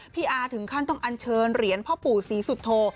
อาถึงขั้นต้องอัญเชิญเหรียญพ่อปู่ศรีสุโธ